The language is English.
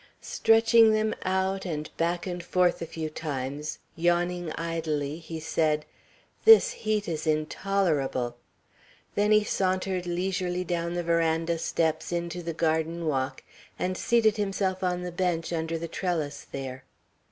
Stretching them out, and back and forth a few times, yawning idly, he said, "This heat is intolerable!" Then he sauntered leisurely down the veranda steps into the garden walk, and seated himself on the bench under the trellis there.